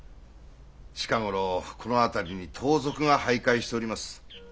近頃この辺りに盗賊が徘徊しております。